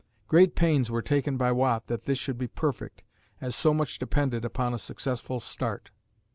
Great pains were taken by Watt that this should be perfect, as so much depended upon a successful start.